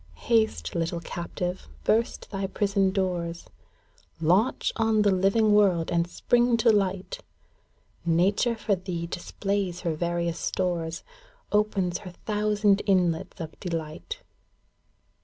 Haste, little captive, burst thy prison doors ! Launch on the living world, and spring to light ! Nature for thee displays her various stores. Opens her thousand inlets of delight.